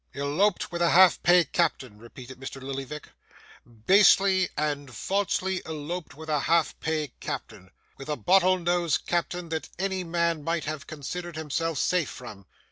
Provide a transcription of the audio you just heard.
'Eloped with a half pay captain,' repeated Mr. Lillyvick, 'basely and falsely eloped with a half pay captain. With a bottle nosed captain that any man might have considered himself safe from.